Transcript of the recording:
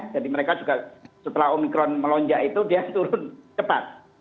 jadi mereka juga setelah omikron melonjak itu dia turun cepat